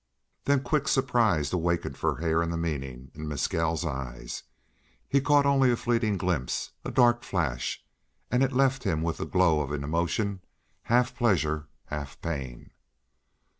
Then quick surprise awakened for Hare in the meaning in Mescal's eyes; he caught only a fleeting glimpse, a dark flash, and it left him with a glow of an emotion half pleasure, half pain.